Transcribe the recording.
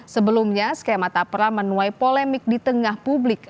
sebelumnya skema tapra menuai polemik di tengah publik